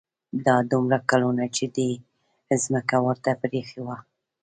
دا دومره کلونه چې دې ځمکه ورته پرېښې وه.